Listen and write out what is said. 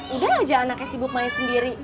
udah aja anaknya sibuk main sendiri